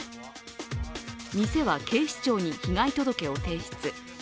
店は警視庁に被害届を提出。